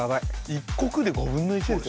１国で５分の１！